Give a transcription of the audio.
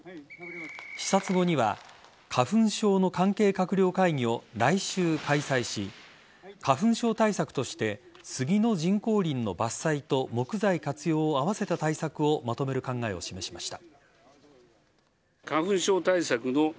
視察後には花粉症の関係閣僚会議を来週、開催し花粉症対策として杉の人工林の伐採と木材活用を合わせた対策をまとめる考えを示しました。